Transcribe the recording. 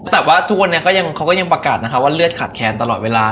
แต่ว่าทุกวันนี้เขาก็ยังประกาศนะคะว่าเลือดขาดแค้นตลอดเวลา